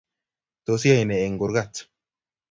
Tos iyae ne eng' kurgat?